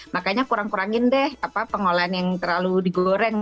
makanya kurang kurangin deh pengolahan yang terlalu digoreng